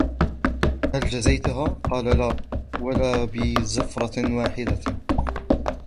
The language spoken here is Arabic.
فَهَلْ جَزَيْتهَا ؟ قَالَ لَا وَلَا بِزَفْرَةٍ وَاحِدَةٍ